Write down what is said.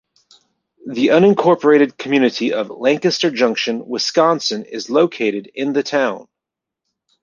The unincorporated community of Lancaster Junction, Wisconsin is located in the town.